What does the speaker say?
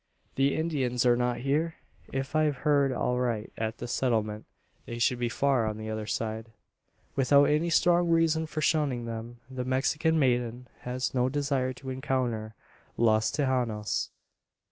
The Indians are not here? If I've heard aright at the Settlement, they should be far on the other side." Without any strong reason for shunning them, the Mexican maiden has no desire to encounter "Los Tejanos."